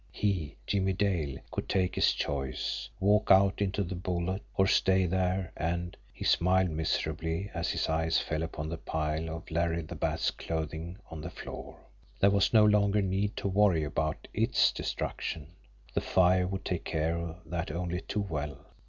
He, Jimmie Dale, could take his choice: walk out into a bullet, or stay there and he smiled miserably as his eyes fell upon the pile of Larry the Bat's clothing on the floor. There was no longer need to worry about ITS destruction the fire would take care of that only too well!